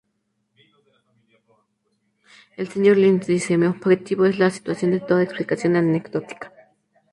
El Sr. Lynch dice: "...Mi objetivo es la ausencia de toda explicación anecdótica.